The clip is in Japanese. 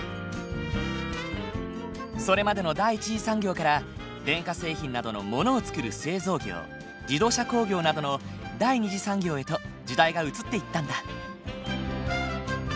それまでの第一次産業から電化製品などのものを作る製造業自動車工業などの第二次産業へと時代が移っていったんだ。